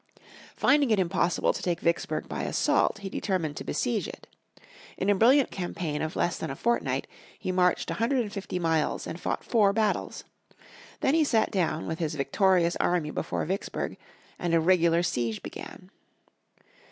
Finding it impossible to take Vicksburg by assault he determined to besiege it. In a brilliant campaign of less than a fortnight he marched a hundred and fifty miles, and fought four battles. Then he sat down with his victorious army before Vicksburg, and a regular siege began.